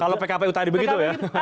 kalau pkpu tadi begitu ya